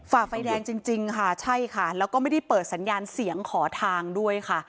ฝ่าไฟแดงจริงค่ะใช่ค่ะแล้วก็ไม่ได้เปิดสัญญาณเสียงขอทางด้วยค่ะ